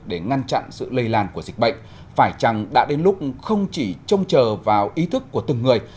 để ngăn chặn sự lây lan của dịch bệnh phải chăng đã đến lúc không chỉ trông chờ vào ý thức của từng người